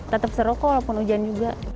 tetap seru kok walaupun hujan juga